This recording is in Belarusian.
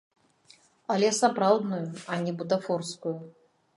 Але сапраўдную, а не бутафорскую.